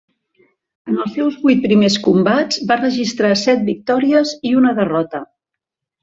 En els seus vuit primers combats va registrar set victòries i una derrota.